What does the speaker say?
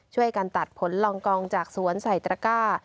ช่วยกันตัดผลลองกองจากสวนใส่ตระก้า